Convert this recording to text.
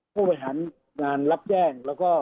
ทั่วไปหันงานรับแจ้งแล้วก็